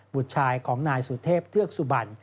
บุตรชายของนายสุเทพเทือกสุบัน